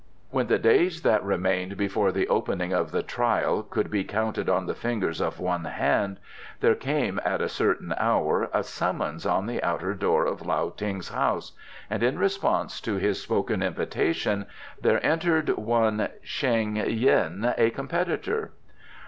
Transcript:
When the days that remained before the opening of the trial could be counted on the fingers of one hand, there came, at a certain hour, a summons on the outer door of Lao Ting's house, and in response to his spoken invitation there entered one, Sheng yin, a competitor.